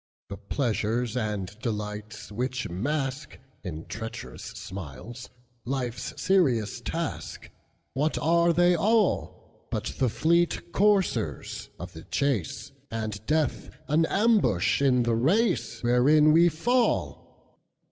The pleasures and delights, which maskIn treacherous smiles life's serious task, What are they allBut the fleet coursers of the chase, And death an ambush in the race, Wherein we fall?